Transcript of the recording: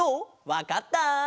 わかった？